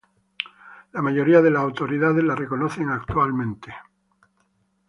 La mayoría de las autoridades la reconocen actualmente.